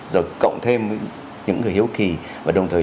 rồi cộng thêm những người hiếu kỳ và đồng thời